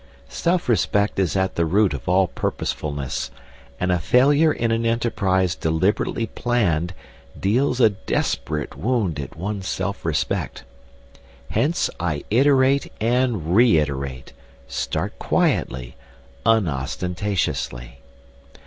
Self respect is at the root of all purposefulness, and a failure in an enterprise deliberately planned deals a desperate wound at one's self respect. Hence I iterate and reiterate: Start quietly, unostentatiously.